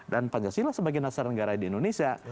dan pancasila sebagai dasar negara di indonesia